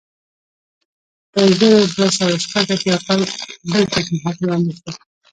په زر دوه سوه شپږ اتیا کال بل پېشنهاد وړاندې شو.